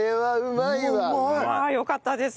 ああよかったです